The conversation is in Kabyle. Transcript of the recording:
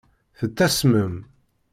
Tettasmem.